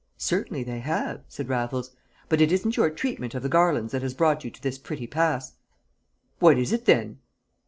"Certainly they have," said Raffles. "But it isn't your treatment of the Garlands that has brought you to this pretty pass." "What is it, then?"